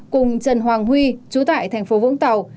cùng trần hoàng huy chú tại thành phố vũng tàu